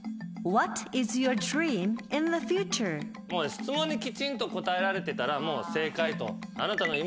質問にきちんと答えられてたらもう正解と。